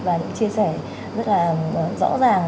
và những chia sẻ rất là rõ ràng